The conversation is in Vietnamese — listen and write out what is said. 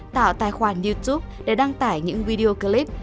tạo tài khoản youtube để đăng tải những video clip